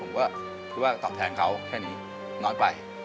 ผมก็คิดว่าตอบแทนเขาแค่นี้น้อยไป